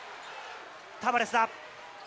タバレスだ。